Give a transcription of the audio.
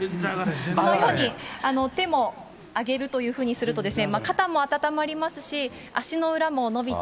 このように手もあげるというふうにするとですね、肩も温まりますし、足の裏も伸びて。